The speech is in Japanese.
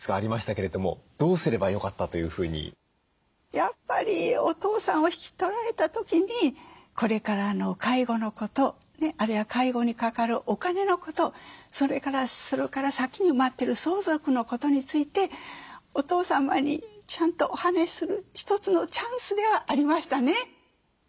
やっぱりお父さんを引き取られた時にこれからの介護のことあるいは介護にかかるお金のことそれから先に待ってる相続のことについてお父様にちゃんとお話しする一つのチャンスではありましたね。